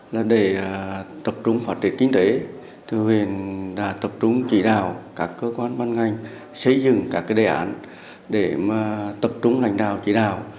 là để tập trung phát triển kinh tế thường huyện đã tập trung chỉ đào các cơ quan văn ngành xây dựng các đề ảnh để tập trung hành đào chỉ đào